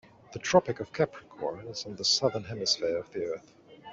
The Tropic of Capricorn is on the Southern Hemisphere of the earth.